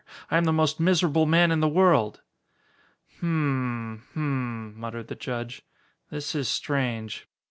I am the most miserable man in the world!" "Hm m hm m," muttered the judge, "this is strange."